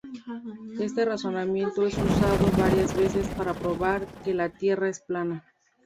Este razonamiento es usado varias veces para "probar" que la tierra es plana.